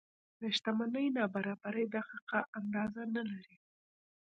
د شتمنۍ نابرابرۍ دقیقه اندازه نه لري.